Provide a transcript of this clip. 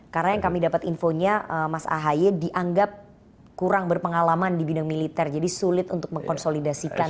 karena yang kami dapat infonya mas ahaye dianggap kurang berpengalaman di bidang militer jadi sulit untuk mengkonsolidasikan